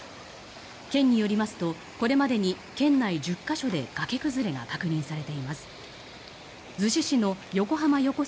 県によりますとこれまでに県内１０か所で崖崩れが確認されています。